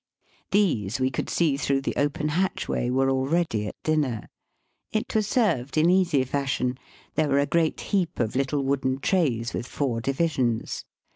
These, we could see through the open hatchway, were already at dinner. It was served in easy fashion. There were a great heap of Uttle wooden trays with four divisions.